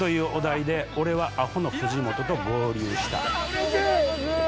うれしい！